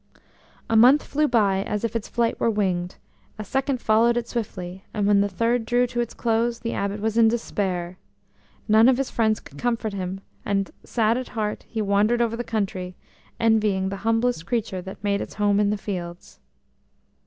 A month flew by as if its flight were winged; a second followed it swiftly, and when the third drew to its close the Abbot was in despair. None of his friends could comfort him, and, sad at heart, he wandered over the country, envying the humblest creature that made its home in the fields.